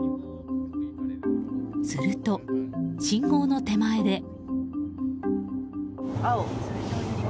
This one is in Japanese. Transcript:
すると、信号の手前で。